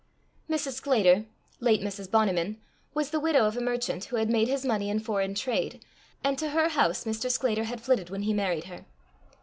Mrs. Sclater, late Mrs. Bonniman, was the widow of a merchant who had made his money in foreign trade, and to her house Mr. Sclater had flitted when he married her.